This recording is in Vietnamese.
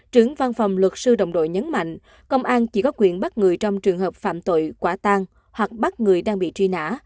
trưởng văn phòng luật sư đồng đội nhấn mạnh công an chỉ có quyền bắt người trong trường hợp phạm tội quả tan hoặc bắt người đang bị truy nã